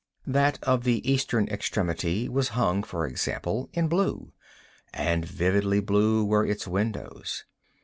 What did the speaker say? That at the eastern extremity was hung, for example, in blue—and vividly blue were its windows.